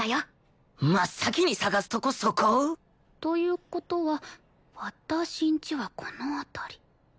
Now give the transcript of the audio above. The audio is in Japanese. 真っ先に探すとこそこ？という事は私んちはこの辺り。